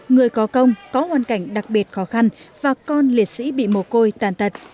người có công có hoàn cảnh đặc biệt khó khăn và con liệt sĩ bị mồ côi tàn tật